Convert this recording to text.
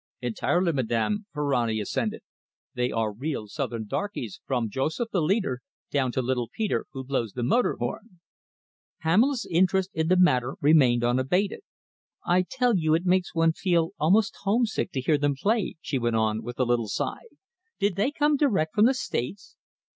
"Entirely, madam," Ferrani assented. "They are real Southern darkies, from Joseph, the leader, down to little Peter, who blows the motor horn." Pamela's interest in the matter remained unabated. "I tell you it makes one feel almost homesick to hear them play," she went on, with a little sigh. "Did they come direct from the States?"